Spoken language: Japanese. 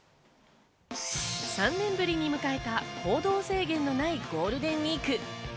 ３年ぶりに迎えた行動制限のないゴールデンウイーク。